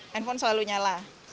handphone selalu nyala